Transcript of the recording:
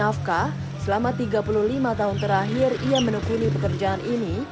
akhirnya menukuni pekerjaan ini